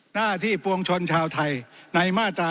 หน้าที่ปวงชนชาวไทยในมาตรา๑